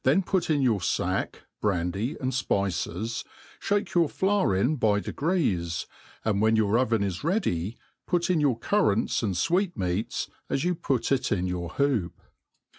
put in your fack, brandy, and fpices, ihake your flour in by degrees^ and when your oven is ready, jput in your currants and fweet^mcats as you put it in your hoop.